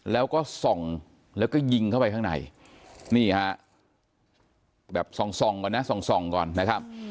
แล้วก็ส่องแล้วก็ยิงเข้าไปข้างในนี่ฮะแบบส่องก่อนนะส่องก่อนนะครับ